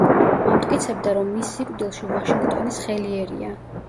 ამტკიცებდა, რომ მის სიკვდილში ვაშინგტონის ხელი ერია.